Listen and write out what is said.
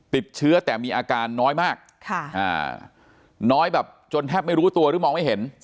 ติดเชื้อแต่มีอาการน้อยมากน้อยแบบจนแทบไม่รู้ตัวหรือมองไม่เห็น